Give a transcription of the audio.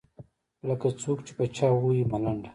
لکــــه څــوک چې په چـــا ووهي ملـــنډه.